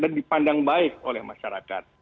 dan dipandang baik oleh masyarakat